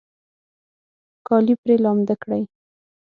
کالي پرې لامده کړئ